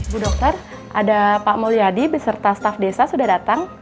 ibu dokter ada pak mulyadi beserta staff desa sudah datang